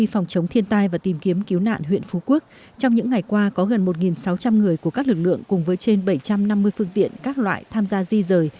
trong phòng chống thiên tai và tìm kiếm cứu nạn huyện phú quốc trong những ngày qua có gần một sáu trăm linh người của các lực lượng cùng với trên bảy trăm năm mươi phương tiện các loại tham gia di rời